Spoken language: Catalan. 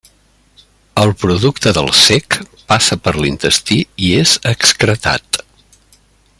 El producte del cec passa per l'intestí i és excretat.